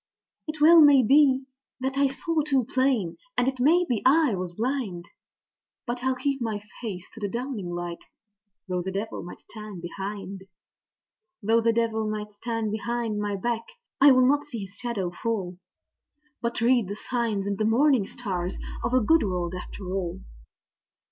It well may be that I saw too plain, and it may be I was blind; But I'll keep my face to the dawning light, though the devil may stand behind! Though the devil may stand behind my back, I'll not see his shadow fall, But read the signs in the morning stars of a good world after all.